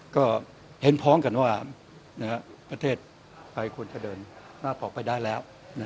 ก็เห็นพร้อมกันว่าประเทศไทยควรจะเดินหน้าต่อไปได้แล้ว